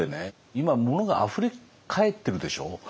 今物があふれかえってるでしょう？